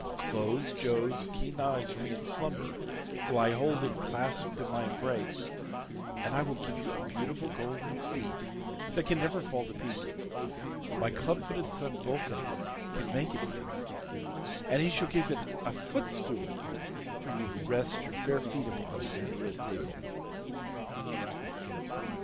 Close Jove's keen eyes for me in slumber while I hold him clasped in my embrace, and I will give you a beautiful golden seat, that can never fall to pieces; my clubfooted son Vulcan shall make it for you, and he shall give it a footstool for you to rest your fair feet upon when you are at table."